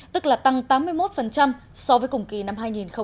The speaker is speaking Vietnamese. tức là tăng tám mươi một so với cùng kỳ năm hai nghìn một mươi chín